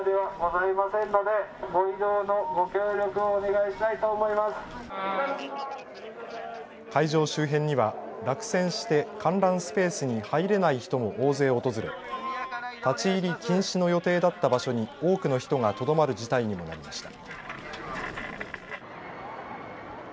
会場周辺には、落選して観覧スペースに入れない人も大勢訪れ立ち入り禁止の予定だった場所に多くの人がとどまる事態にもなりました。